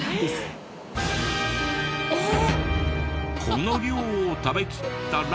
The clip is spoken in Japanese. この量を食べきったら。